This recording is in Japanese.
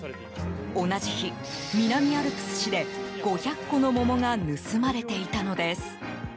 同じ日、南アルプス市で５００個の桃が盗まれていたのです。